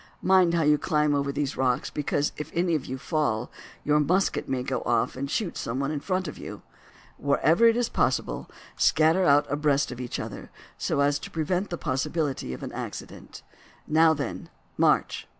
Mind how you climb over these rocks, because if any of you fall, your musket may go off and shoot someone in front of you. Wherever it is possible scatter out abreast of each other, so as to prevent the possibility of accident. Now, then, march!"